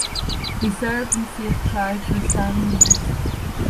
He served in Saint Cloud for seven years.